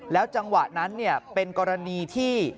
แล้วจังหวะนั้นเนี่ยเป็นกรณีที่